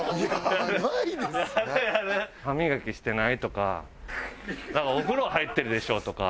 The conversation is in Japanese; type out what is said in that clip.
「歯磨きしてない？」とか「お風呂入ってるでしょ？」とか。